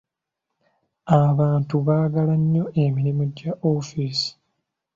Abantu baagala nnyo emirimu gya woofiisi.